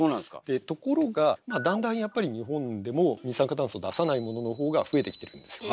でところがだんだんやっぱり日本でも二酸化炭素を出さないものの方が増えてきてるんですよね。